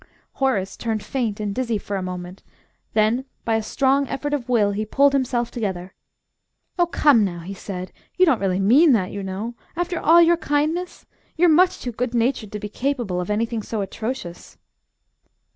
Horace turned faint and dizzy for a moment. Then, by a strong effort of will, he pulled himself together. "Oh, come now," he said, "you don't really mean that, you know. After all your kindness! You're much too good natured to be capable of anything so atrocious."